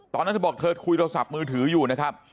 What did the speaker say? ตอนนั้นเธอบอกเธอคุยโทรศัพท์มือถืออยู่นะครับ